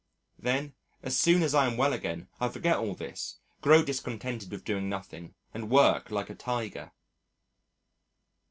Then, as soon as I am well again, I forget all this, grow discontented with doing nothing and work like a Tiger.